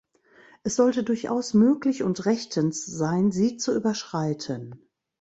Es sollte durchaus möglich und rechtens sein, sie zu überschreiten.